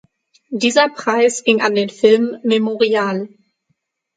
Dieser Preis ging an den Film "Memorial".